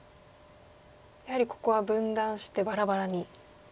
やはりここは分断してバラバラに。